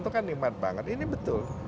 sudah datang minta makan